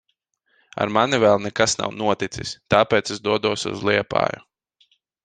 Ar mani vēl nekas nav noticis. Tāpēc es dodos uz Liepāju.